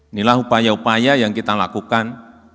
inilah upaya upaya yang kita lakukan